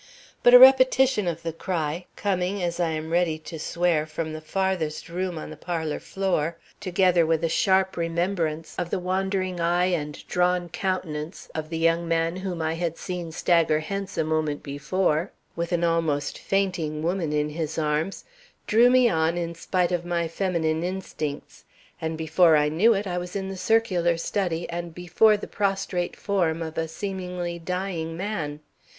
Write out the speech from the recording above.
But a repetition of the cry, coming as I am ready to swear from the farthest room on the parlor floor, together with a sharp remembrance of the wandering eye and drawn countenance of the young man whom I had seen stagger hence a moment before, with an almost fainting woman in his arms, drew me on in spite of my feminine instincts; and before I knew it, I was in the circular study and before the prostrate form of a seemingly dying man.